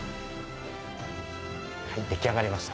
はい出来上がりました。